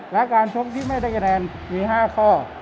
และการชกที่ไม่ได้คะแนนมี๕ข้อ